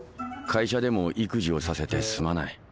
会社でも育児をさせてすまない。